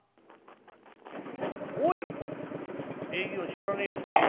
礼儀を知らねえやつだな。